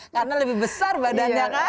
karena lebih besar badannya